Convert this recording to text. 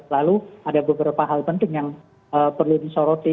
lalu ada beberapa hal penting yang perlu disoroti